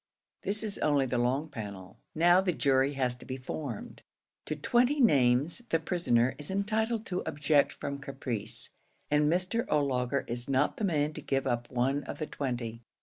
This is only the long panel. Now the jury has to be formed. To twenty names the prisoner is entitled to object from caprice, and Mr. O'Laugher is not the man to give up one of the twenty.